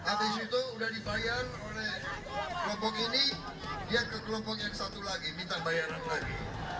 habis itu udah dibayar oleh kelompok ini dia ke kelompok yang satu lagi minta bayaran lagi